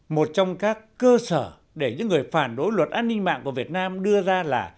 một trong các cơ sở để những người phản đối luật an ninh mạng của việt nam đưa ra là